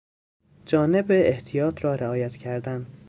جانب احتیاط را رعایت کردن